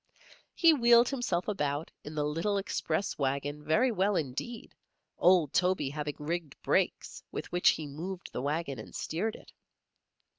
He wheeled himself about in the little express wagon very well indeed, old Toby having rigged brakes with which he moved the wagon and steered it.